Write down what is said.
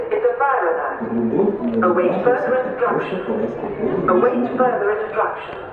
Рудольф не відважився б так просто провести поділ між людьми.